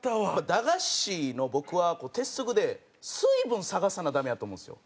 駄菓子の僕は鉄則で水分探さなダメやと思うんですよ。